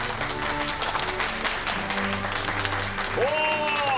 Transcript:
お！